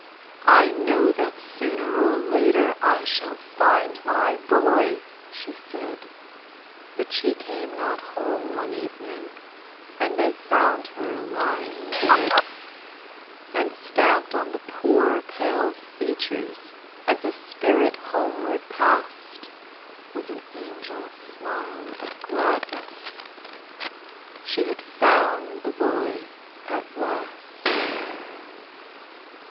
'I know that sooner or later I shall find my boy,' she said. But she came not home one evening, and they found her lying dead, And stamped on the poor pale features, as the spirit homeward pass'd, Was an angel smile of gladness she had found the boy at last.